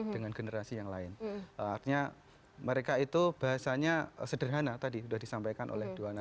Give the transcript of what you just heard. dengan generasi yang lain artinya mereka itu bahasanya sederhana tadi sudah disampaikan oleh dua nara